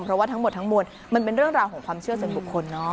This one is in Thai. เพราะว่าทั้งหมดทั้งมวลมันเป็นเรื่องราวของความเชื่อส่วนบุคคลเนอะ